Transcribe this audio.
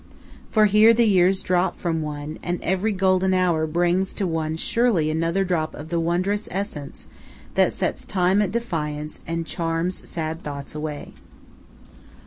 For here the years drop from one, and every golden hour brings to one surely another drop of the wondrous essence that sets time at defiance and charms sad thoughts away.